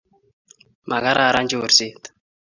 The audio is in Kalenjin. makararan chorset